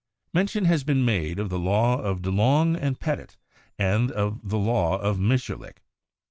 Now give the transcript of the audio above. Mention has been made of the law of Dulong and Petit and of the law of Mitscherlich.